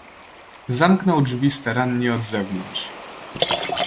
"Zamknął drzwi starannie od zewnątrz."